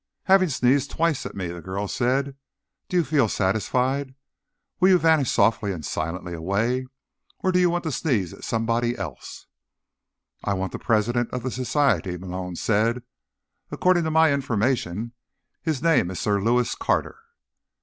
"Having sneezed twice at me," the girl said, "do you feel satisfied? Will you vanish softly and silently away? Or do you want to sneeze at somebody else?" "I want the president of the Society," Malone said. "According to my information, his name is Sir Lewis Carter."